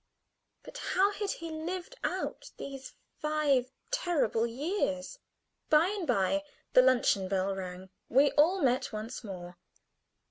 But how had he lived out these five terrible years? By and by the luncheon bell rang. We all met once more.